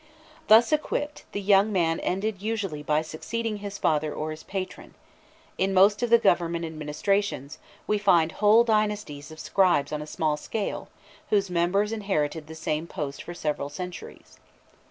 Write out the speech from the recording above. Thus equipped, the young man ended usually by succeeding his father or his patron: in most of the government administrations, we find whole dynasties of scribes on a small scale, whose members inherited the same post for several centuries.